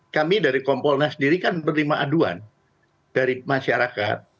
kami dari kompolnas sendiri kan berlima aduan dari masyarakat